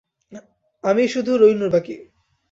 আমিই শুধু রৈনু বাকি।